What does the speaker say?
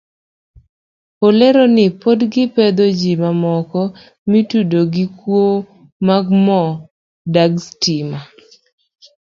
Olero ni pod gipedho ji mamoko maitudo gi kuo mag mor dag stima.